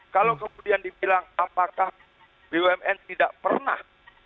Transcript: kalau kemudian dibilang apakah bumn tidak pernah